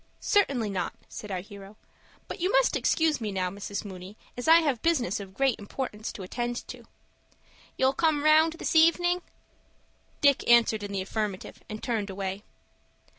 "Certainly not," said our hero. "But you must excuse me now, Mrs. Mooney, as I have business of great importance to attend to." "You'll come round this evening?" Dick answered in the affirmative, and turned away.